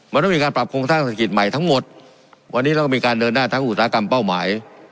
มันต้องมีการปรับโครงสร้างเศรษฐกิจใหม่ทั้งหมดวันนี้เราก็มีการเดินหน้าทั้งอุตสาหกรรมเป้าหมาย